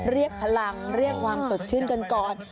เรียกพลังเรียกความสดชื่นกันก่อน